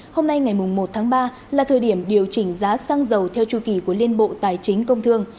hôm nay ngày một tháng ba là thời điểm điều chỉnh giá xăng dầu theo chu kỳ của liên bộ tài chính công thương